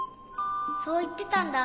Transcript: そういってたんだ。